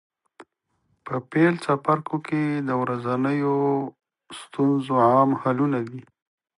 په پیل څپرکو کې د ورځنیو ستونزو عام حلونه دي.